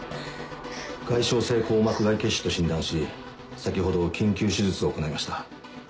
外傷性硬膜外血腫と診断し先ほど緊急手術を行いました。